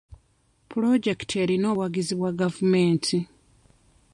Puloojekiti erina obuwagizi bwa gavumenti.